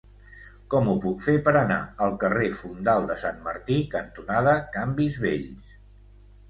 Com ho puc fer per anar al carrer Fondal de Sant Martí cantonada Canvis Vells?